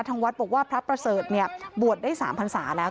ทางวัดบอกว่าพระประเสริฐบวชได้๓พันศาแล้ว